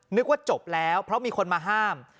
นึกว่าจบแล้วเพราะมีคนมาห้าม